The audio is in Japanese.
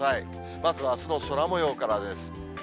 まずはあすの空もようからです。